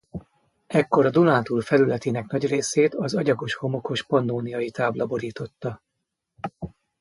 Ekkor a Dunántúl felületének nagy részét az agyagos-homokos pannóniai tábla borította.